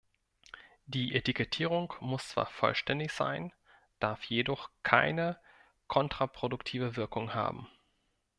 Die Etikettierung muss zwar vollständig sein, darf jedoch keine kontraproduktive Wirkung haben.